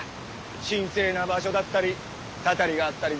神聖な場所だったり祟りがあったりで。